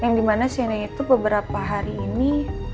yang dimana siani itu beberapa hari ini